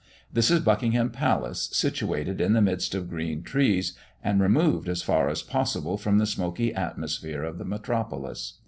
Thus is Buckingham Palace situated in the midst of green trees, and removed as far as possible from the smoky atmosphere of the metropolis.